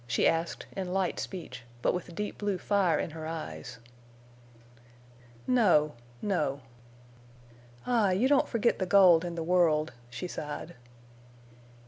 she asked, in light speech, but with deep blue fire in her eyes. "No—no." "Ah, you don't forget the gold and the world," she sighed.